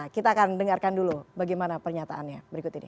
kita akan dengarkan dulu bagaimana pernyataannya berikut ini